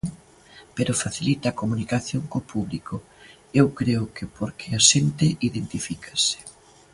Pero facilita a comunicación co público, eu creo que porque a xente identifícase.